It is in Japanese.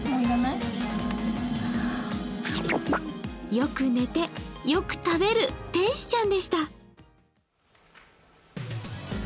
よく寝て、よく食べる天使ちゃんでした。